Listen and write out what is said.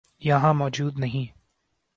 یہاں موجود نہیں۔